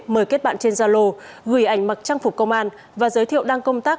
mời kết bạn trên gia lô gửi ảnh mặc trang phục công an và giới thiệu đang công tác